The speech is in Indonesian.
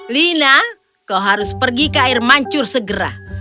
lina kau harus pergi ke air mancur segera